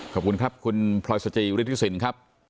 ขอบคุณครับคุณพลอยสจีริฐิสินค่ะ